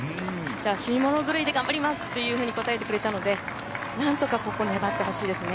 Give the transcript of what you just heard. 死に物狂いで頑張りますと答えてくれたので何とかここ、粘ってほしいですね。